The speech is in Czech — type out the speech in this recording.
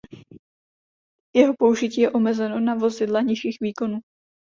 Jeho použití je omezeno na vozidla nižších výkonů.